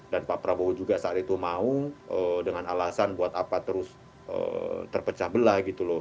dan pak prabowo juga saat itu mau dengan alasan buat apa terus terpecah belah gitu loh